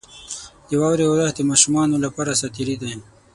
• د واورې اورښت د ماشومانو لپاره ساتیري ده.